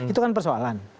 itu kan persoalan